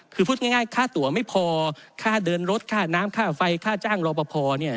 คือพูดง่ายค่าตัวไม่พอค่าเดินรถค่าน้ำค่าไฟค่าจ้างรอปภเนี่ย